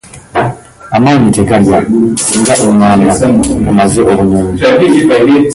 Amanyi tegalya , singa enganga emaze obunyonyi .